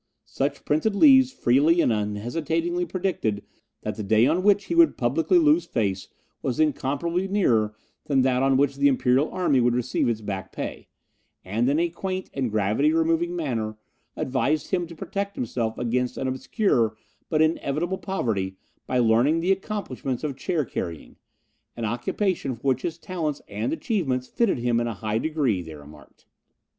Such printed leaves freely and unhesitatingly predicted that the day on which he would publicly lose face was incomparably nearer than that on which the Imperial army would receive its back pay, and in a quaint and gravity removing manner advised him to protect himself against an obscure but inevitable poverty by learning the accomplishment of chair carrying an occupation for which his talents and achievements fitted him in a high degree, they remarked.